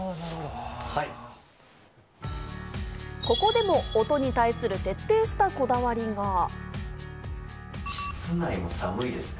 ここでも音に対する徹底したこだわりが。